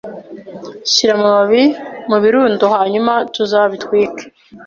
Shyira amababi mubirundo hanyuma tuzabitwike